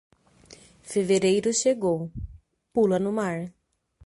Fevereiro chegou, pula no mar.